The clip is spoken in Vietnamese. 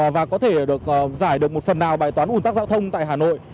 và có thể được giải được một phần nào bài toán ủn tắc giao thông tại hà nội